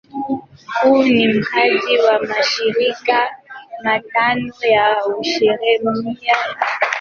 Huu ni mradi wa mashirika matano ya Ujerumani ya ushirikiano wa kimataifa.